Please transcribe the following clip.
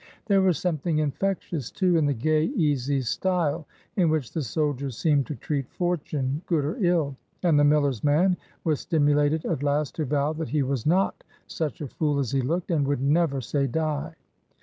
There was something infectious, too, in the gay easy style in which the soldier seemed to treat fortune, good or ill; and the miller's man was stimulated at last to vow that he was not such a fool as he looked, and would "never say die."